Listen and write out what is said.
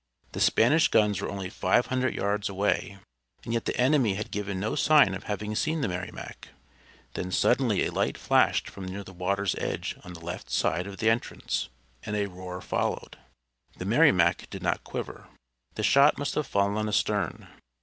The Spanish guns were only five hundred yards away, and yet the enemy had given no sign of having seen the Merrimac. Then suddenly a light flashed from near the water's edge on the left side of the entrance, and a roar followed. The Merrimac did not quiver. The shot must have fallen astern.